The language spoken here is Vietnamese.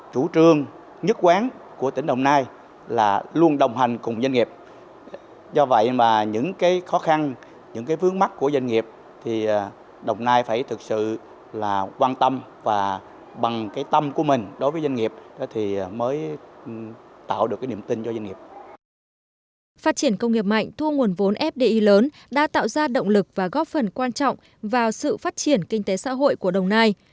phát triển công nghiệp mạnh thu hút vốn fdi lớn đã tạo ra động lực và góp phần quan trọng vào sự phát triển kinh tế xã hội của đồng nai